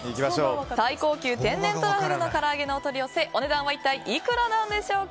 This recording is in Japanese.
最高級天然とらふぐ唐揚げのお取り寄せお値段は一体いくらなんでしょうか。